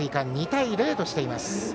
２対０としています。